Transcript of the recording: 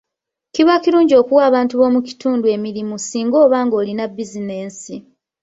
Kiba kirungi okuwa abantu b'omu kitundu emirimu singa oba ng'olina bizinensi.